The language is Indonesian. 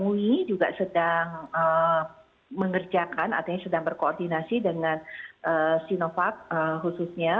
ui juga sedang mengerjakan artinya sedang berkoordinasi dengan sinovac khususnya